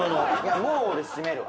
もう俺閉めるわ。